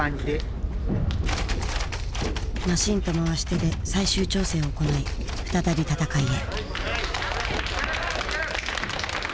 マシンと回し手で最終調整を行い再び戦いへ。